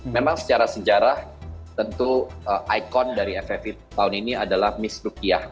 memang secara sejarah tentu ikon dari ffv tahun ini adalah miss rukiyah